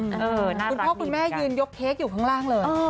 คุณพ่อคุณแม่ยืนยกเค้กอยู่ข้างล่างเลย